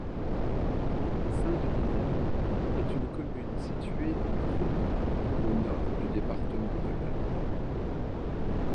Saint-Denis-des-Monts est une commune située dans le Roumois, au nord du département de l'Eure.